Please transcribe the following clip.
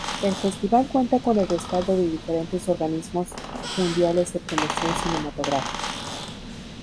El Festival cuenta con el respaldo de diferentes organismos mundiales de promoción cinematográfica.